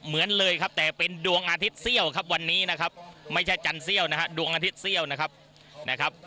เหมือนเลยครับแต่เป็นดวงอาทิตย์เซี่ยวครับวันนี้นะครับไม่ใช่จันเซี่ยวนะฮะดวงอาทิตย์เซี่ยวนะครับนะครับ